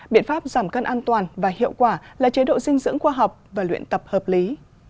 biện pháp giảm cân an toàn và hiệu quả là chế độ dinh dưỡng khoa học và luyện tập hợp lý